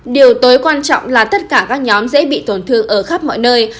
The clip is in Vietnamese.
điều tối quan trọng là tất cả các nhóm dễ bị tổn thương ở khắp mọi nơi